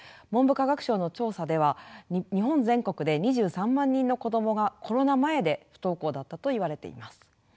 文部科学省の調査では日本全国で２３万人の子どもがコロナ前で不登校だったといわれています。